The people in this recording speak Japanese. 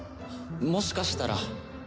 もしかしたら。